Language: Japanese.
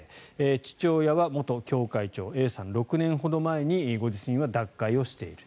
父親は元教会長Ａさん、６年ほど前にご自身は脱会している。